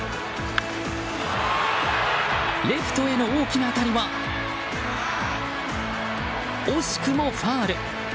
レフトへの大きな当たりは惜しくもファウル。